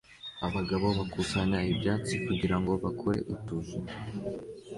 Abagabo bakusanya ibyatsi kugirango bakore utuzu